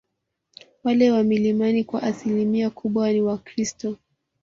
Wale wa milimani kwa asilimia kubwa ni wakristo